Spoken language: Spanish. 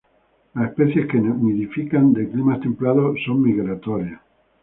Las especies que nidifican de climas templados son migratorias.